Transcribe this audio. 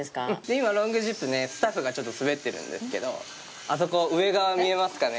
今、ロングジップね、スタッフがちょっと滑ってるんですけど、あそこ、上側、見えますかね？